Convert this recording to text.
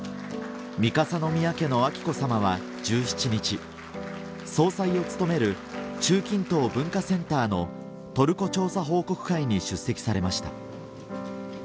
は１７日総裁を務める中近東文化センターのトルコ調査報告会に出席されました